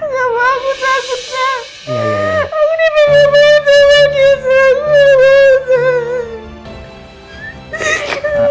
kamu aku takutnya aku di pengobatan wajahnya